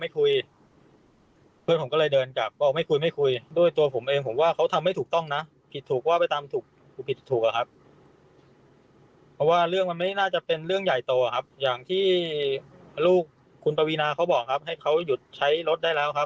คุณทวีนาเขาบอกครับให้เขาหยุดใช้รถได้แล้วครับ